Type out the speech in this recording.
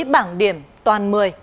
bảng điểm toàn một mươi